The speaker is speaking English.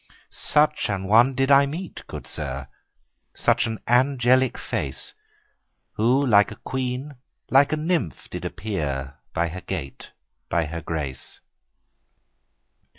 Such a one did I meet, good sir, Such an angel like face, Who like a queen, like a nymph, did appear, By her gait, by her grace.